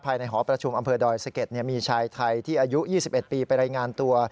หอประชุมอำเภอดอยสะเก็ดมีชายไทยที่อายุ๒๑ปีไปรายงานตัว